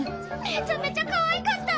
めちゃめちゃかわいかった！